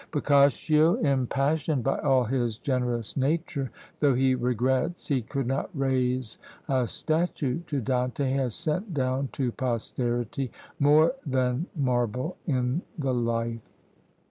Boccaccio, impassioned by all his generous nature, though he regrets he could not raise a statue to Dante, has sent down to posterity more than marble, in the "Life."